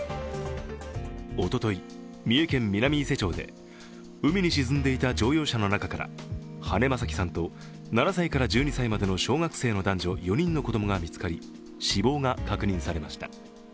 おととい、三重県南伊勢町で海に沈んでいた乗用車の中から羽根正樹さんと７歳から１２歳までの小学生の男女４人の子供が見つかり、死亡が確認されました。